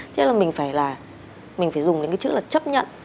cho nên là mình phải là mình phải dùng những cái chữ là chấp nhận